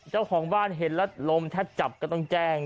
เจ้าของบ้านเห็นแล้วลมถ้าจับก็ต้องแจ้ง